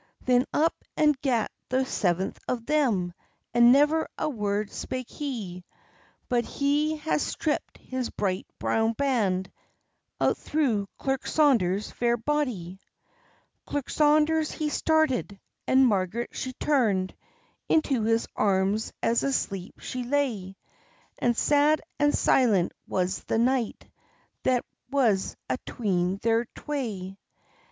Then up and gat the seventh o' them, And never a word spake he; But he has striped his bright brown brand Out through Clerk Saunders' fair bodye. Clerk Saunders he started, and Margaret she turned Into his arms as asleep she lay; And sad and silent was the night That was atween thir twae.